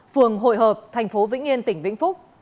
phường hội hợp thành phố vĩnh yên tỉnh vĩnh phúc